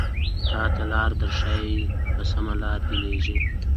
تاته لاره درښايې په سمه لاره دې ليږي